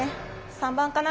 ３番かな？